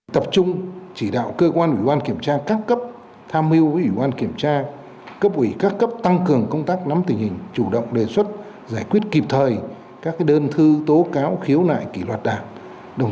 tập trung chỉ đạo cơ quan ủy ban kiểm tra các cấp tham mưu với ủy ban kiểm tra cấp ủy các cấp tăng cường công tác nắm tình hình chủ động đề xuất giải quyết kịp thời các đơn thư tố cáo khiếu nại kỷ luật đảng